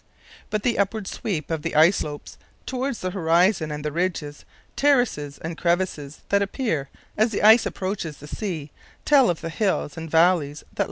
But the upward sweep of the ice slopes towards the horizon and the ridges, terraces, and crevasses that appear as the ice approaches the sea tell of the hills and valleys that lie below."